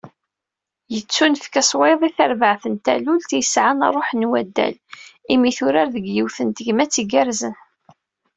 Yettunefk-as wayeḍ, i tarbaɛt n Talult i yesɛan ṛṛuḥ n waddal, imi turar deg yiwet n tegmat igerrzen.